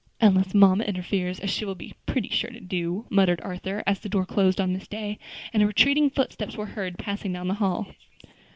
"Unless mamma interferes, as she will be pretty sure to do," muttered Arthur, as the door closed on Miss Day, and her retreating footsteps were heard passing down the hall.